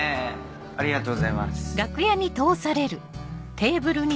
ありがとうございます。